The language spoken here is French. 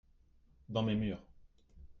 dans mes murs.